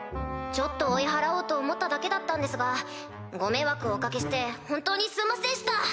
ちょっと追い払おうと思っただけだったんですがご迷惑をお掛けして本当にすんませんっした！